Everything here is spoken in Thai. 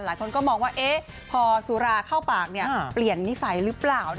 หลายคนก็มองว่าพอสุราเข้าปากเปลี่ยนนิสัยหรือเปล่า